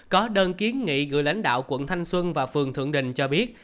có đơn kiến nghị gửi lãnh đạo quận thanh xuân và phường thượng đình cho biết